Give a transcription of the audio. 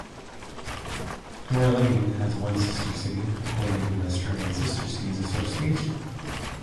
Deloraine has one sister city, according to the Australian Sister Cities Association.